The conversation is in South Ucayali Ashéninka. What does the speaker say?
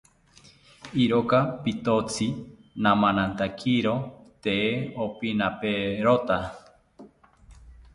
Iroka pitotzi namanantakiro tee opinaperota